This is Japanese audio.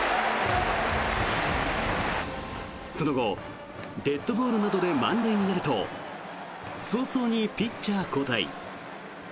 その後、デッドボールなどで満塁になると早々にピッチャー交代。